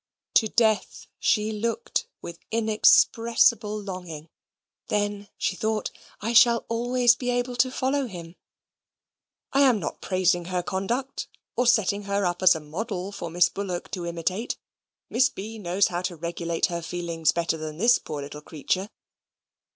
To death she looked with inexpressible longing. Then, she thought, I shall always be able to follow him. I am not praising her conduct or setting her up as a model for Miss Bullock to imitate. Miss B. knows how to regulate her feelings better than this poor little creature.